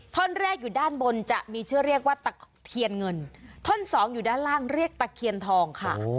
ท่อนแรกอยู่ด้านบนจะมีชื่อเรียกว่าตะเคียนเงินท่อนสองอยู่ด้านล่างเรียกตะเคียนทองค่ะ